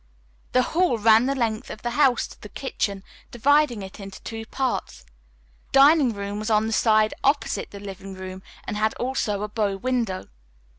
The hall ran the length of the house to the kitchen, dividing it into two parts. The dining room was on the side opposite the living room, and had also a bow window.